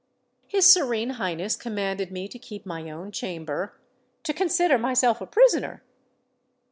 His Serene Highness commanded me to keep my own chamber—to consider myself a prisoner!